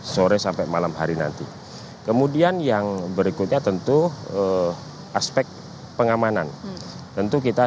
sore sampai malam hari nanti kemudian yang berikutnya tentu aspek pengamanan tentu kita